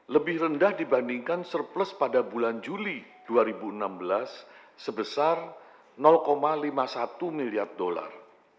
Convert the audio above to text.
lebih rendah dibandingkan surplus pada bulan juli dua ribu enam belas sebesar lima puluh satu miliar dolar